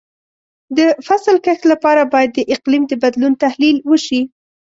د فصل کښت لپاره باید د اقلیم د بدلون تحلیل وشي.